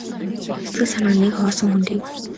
Сэтгэл санаа нь нэг хоосон хөндий.